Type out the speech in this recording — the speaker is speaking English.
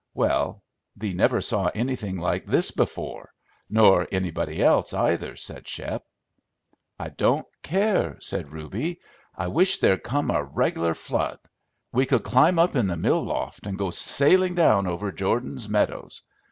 "Well, thee never saw anything like this before nor anybody else, either," said Shep. "I don't care," said Reuby, "I wish there'd come a reg'lar flood. We could climb up in the mill loft and go sailin' down over Jordan's meadows.